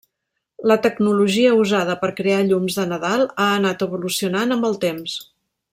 La tecnologia usada per a crear llums de Nadal ha anat evolucionant amb el temps.